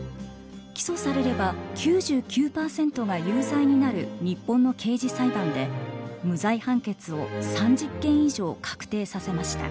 起訴されれば９９％が有罪になる日本の刑事裁判で無罪判決を３０件以上確定させました。